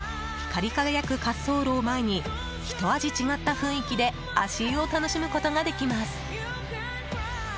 ちなみに夜になれば光り輝く滑走路を前にひと味違った雰囲気で足湯を楽しむことができます。